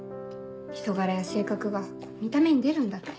人柄や性格が見た目に出るんだって。